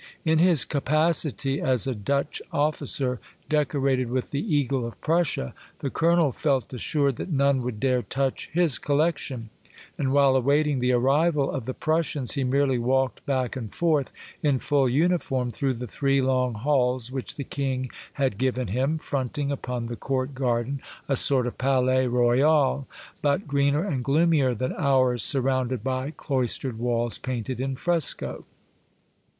In his capacity as a Dutch officer, decorated with the Eagle of Prussia, the colonel felt assured that none would dare touch his collec tion, and while awaiting the arrival of the Prussians he merely walked back and forth in full uniform through the three long halls which the king had given him, fronting upon the court garden, a sort The Blind Emperor, 317 of Palais Royal, but greener and gloomier than ours, surrounded by cloistered walls painted in fresco.